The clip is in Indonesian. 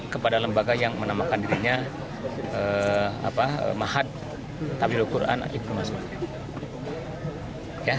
kepada lembaga yang menamakan dirinya mahat tabidul quran itu masalahnya